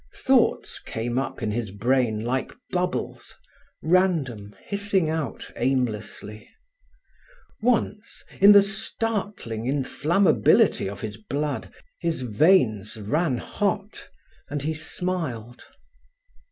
Thoughts came up in his brain like bubbles—random, hissing out aimlessly. Once, in the startling inflammability of his blood, his veins ran hot, and he smiled.